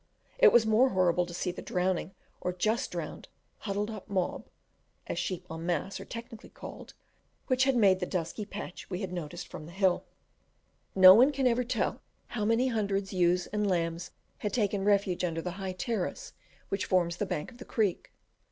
It was more horrible to see the drowning, or just drowned, huddled up "mob" (as sheep en masse are technically called) which had made the dusky patch we had noticed from the hill. No one can ever tell how many hundred ewes and lambs had taken refuge under the high terrace which forms the bank of the creek.